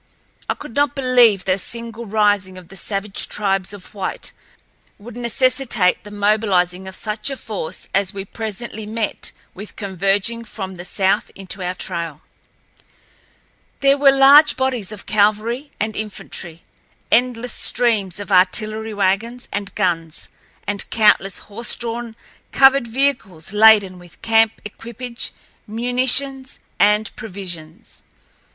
I could not believe that a simple rising of the savage tribes of whites would necessitate the mobilizing of such a force as we presently met with converging from the south into our trail. There were large bodies of cavalry and infantry, endless streams of artillery wagons and guns, and countless horse drawn covered vehicles laden with camp equipage, munitions, and provisions.